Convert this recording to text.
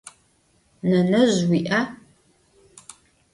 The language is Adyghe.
Nenezj vui'a?